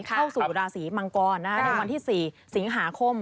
เข้าสู่ราศีมังกรในวันที่๔สิงหาคม